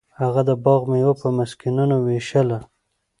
هغه د باغ میوه په مسکینانو ویشله.